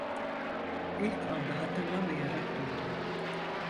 İlk anda hatırlamayarak durdum.